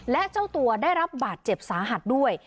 และเจ้าตัวได้รับบาดเจ็บสาหัสด้วย